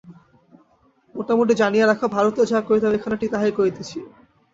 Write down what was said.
মোটামুটি জানিয়া রাখ, ভারতেও যাহা করিতাম, এখানে ঠিক তাহাই করিতেছি।